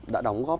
đã đóng góp